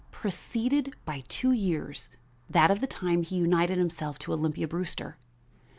preceded by two years that of the time he united himself to Olympia Brewster.